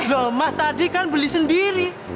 loh mas tadi kan beli sendiri